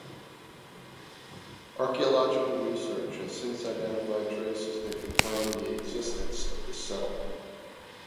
Archaeological research has since identified traces that confirm the existence of this settlement.